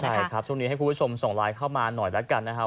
ใช่ครับช่วงนี้ให้คุณผู้ชมส่งไลน์เข้ามาหน่อยแล้วกันนะครับ